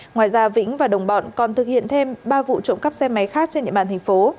ngoài ra vĩnh và đồng bọn còn thực hiện thêm ba vụ trộm cắp xe máy khác trên địa bàn thành phố